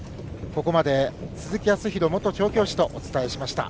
ここまで鈴木康弘元調教師とお伝えしました。